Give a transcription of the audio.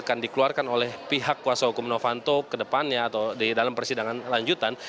akan dikeluarkan oleh pihak kuasa hukum novanto ke depannya atau di dalam persidangan lanjutan